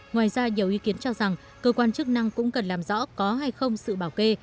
ngoài ra nhiều ý kiến cho rằng cơ quan chức năng cũng cần làm rõ có hay không sự bảo kê